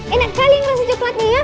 enak kali yang rasa coklatnya ya